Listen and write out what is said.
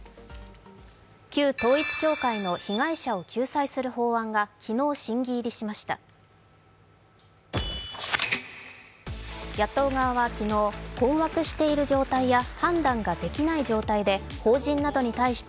旧統一教会の被害者を救済する法案が昨日、審議入りしました。